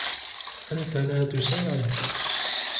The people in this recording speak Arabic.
أنت لا تساعد.